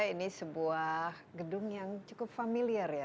ini sebuah gedung yang cukup familiar ya